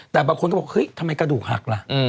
แต่บางคนก็บอกเฮ้ยทำไมกระดูกหักล่ะ